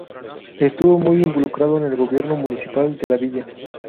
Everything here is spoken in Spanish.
Estuvo muy involucrado en el gobierno municipal de la villa.